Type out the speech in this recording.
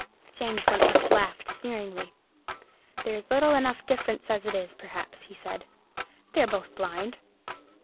James Wentworth laughed sneeringly. "There is little enough difference as it is, perhaps," he said; "they're both blind.